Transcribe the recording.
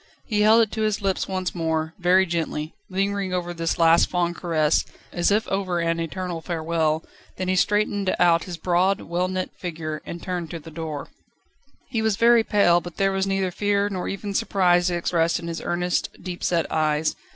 He held it to his lips once more, very gently, lingering over this last fond caress, as if over an eternal farewell, then he straightened out his broad, well knit figure, and turned to the door. He was very pale, but there was neither fear nor even surprise expressed in his earnest, deep set eyes.